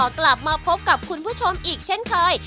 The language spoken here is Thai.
กลับมาพบกับคุณผู้ชมอีกเช่นเคย